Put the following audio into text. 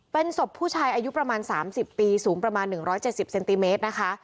เป็นศพผู้ชายอายุประมาณ๓๐ปีสูงประมาณ๑๗๐เซนติเมตรนะคะ